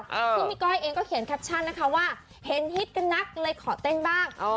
ซึ่งพี่ก้อยเองก็เขียนแคปชั่นนะคะว่าเห็นฮิตกันนักเลยขอเต้นบ้าง